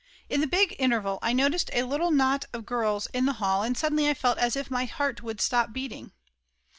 In the big interval I noticed a little knot of girls in the hall, and suddenly I felt as if my heart would stop beating.